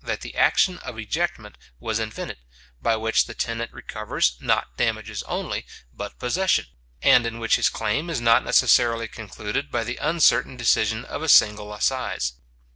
that the action of ejectment was invented, by which the tenant recovers, not damages only, but possession, and in which his claim is not necessarily concluded by the uncertain decision of a single assize.